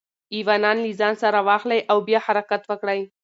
ایوانان له ځان سره واخلئ او بیا حرکت وکړئ.